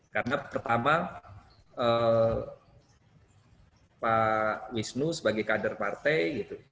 karena pertama pak wisnu sebagai kader partai